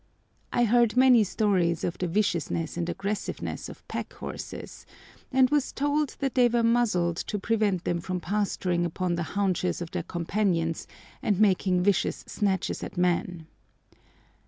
I heard many stories of the viciousness and aggressiveness of pack horses, and was told that they were muzzled to prevent them from pasturing upon the haunches of their companions and making vicious snatches at men.